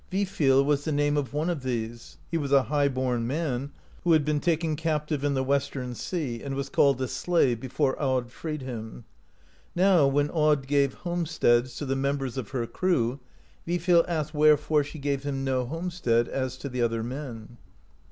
Vifil was the name of one of these ; he was a highborn man, who had been taken captive in the Western sea, and was called a slave before Aud freed him ; now when Aud gave homesteads to the members of her crew, Vifil asked wherefore she gave him no homestead, as to the other men.